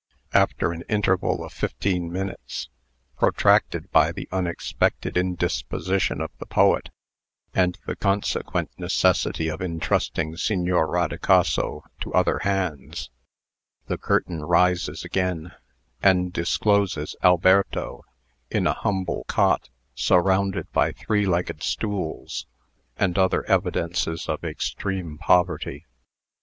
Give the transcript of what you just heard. After an interval of fifteen minutes protracted by the "unexpected indisposition" of the poet, and the consequent necessity of intrusting Signor Rodicaso to other hands the curtain rises again, and discloses Alberto in a humble cot, surrounded by three legged stools, and other evidences of extreme poverty.